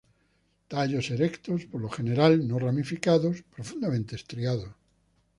Tallos erectos, por lo general no ramificados, profundamente estriados.